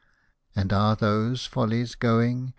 And are those follies going